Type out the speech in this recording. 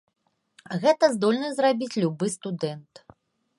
Гэта здольны зрабіць любы студэнт.